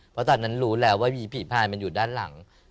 เพราะตอนนั้นรู้แล้วว่าผีผีพายมันอยู่ด้านหลัง